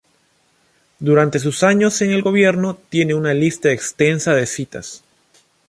Durante sus años en el gobierno tiene una lista extensa de citas.